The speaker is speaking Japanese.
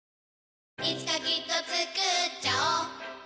いつかきっとつくっちゃおう